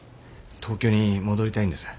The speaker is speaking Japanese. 東京に戻りたいんです。